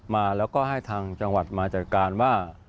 มาแล้วก็ให้ทางจังหวัดมาจัดการว่า